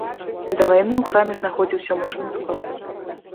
Да вайны ў храме знаходзіўся мучны склад.